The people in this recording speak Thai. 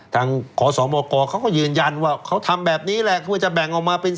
ขอสมกเขาก็ยืนยันว่าเขาทำแบบนี้แหละเพื่อจะแบ่งออกมาเป็น